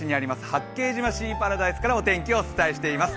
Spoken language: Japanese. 八景島シーパラダイスからお天気をお伝えしています。